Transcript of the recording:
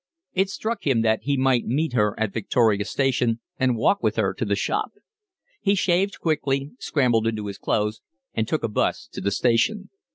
It struck him that he might meet her at Victoria Station and walk with her to the shop. He shaved quickly, scrambled into his clothes, and took a bus to the station.